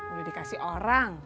udah dikasih orang